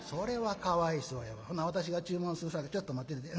ほな私が注文するさかいちょっと待ってて。